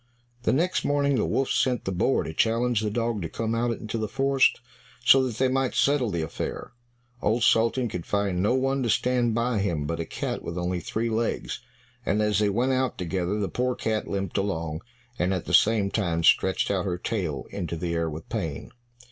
The next morning the wolf sent the boar to challenge the dog to come out into the forest so that they might settle the affair. Old Sultan could find no one to stand by him but a cat with only three legs, and as they went out together the poor cat limped along, and at the same time stretched out her tail into the air with pain.